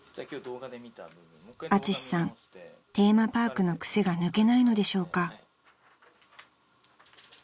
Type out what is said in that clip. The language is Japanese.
［アツシさんテーマパークの癖が抜けないのでしょうか？］